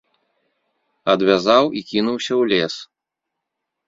Адвязаў і кінуўся ў лес.